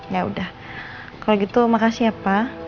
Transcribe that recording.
yaudah kalau gitu makasih ya pak